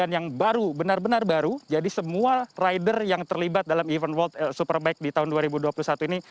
yang baru benar benar baru jadi semua rider yang terlibat dalam event world superbike di tahun dua ribu dua puluh satu ini